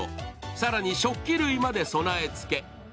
更に食器類まで備え付け。